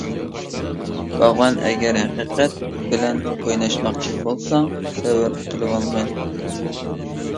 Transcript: باغۋەن ئەگەر ھەقىقەت بىلەن ئويناشماقچى بولساڭ سەۋر قىلىۋالغىن.